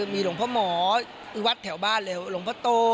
มีหลวงพ่อหมอที่วัดแถวบ้านเลยหลวงพ่อโต